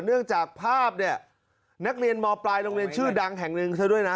เนื่องจากภาพเนี่ยนักเรียนมปลายโรงเรียนชื่อดังแห่งหนึ่งซะด้วยนะ